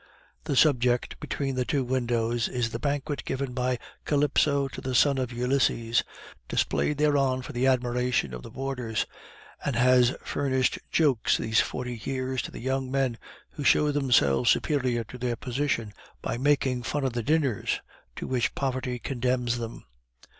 The subject between the two windows is the banquet given by Calypso to the son of Ulysses, displayed thereon for the admiration of the boarders, and has furnished jokes these forty years to the young men who show themselves superior to their position by making fun of the dinners to which poverty condemns them.